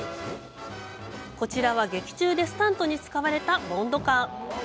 こちらは劇中でスタントに使われたボンドカー。